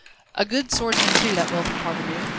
A good swordsman too, that wealthy parvenu.